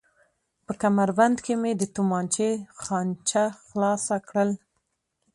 په کمربند کې مې د تومانچې خانچه خلاصه کړل.